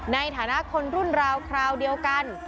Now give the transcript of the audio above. ในฐานะคนรุ่นราวคราวเดียวกัน